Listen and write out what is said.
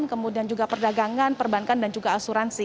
kemudian juga perdagangan perbankan dan juga asuransi